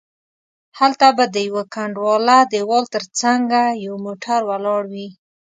هلته به د یوه کنډواله دیوال تر څنګه یو موټر ولاړ وي.